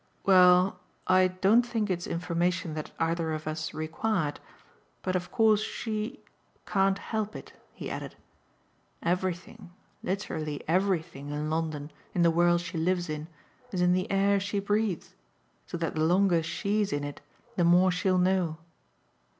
"Well, I don't think it's information that either of us required. But of course she can't help it," he added. "Everything, literally everything, in London, in the world she lives in, is in the air she breathes so that the longer SHE'S in it the more she'll know."